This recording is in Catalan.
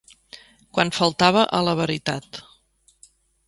Quan faltava a la veritat.